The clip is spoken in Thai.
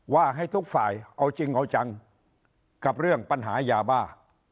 ว่าให้ทุกฝ่ายเอาจริงเอาจังกับเรื่องปัญหายาบ้า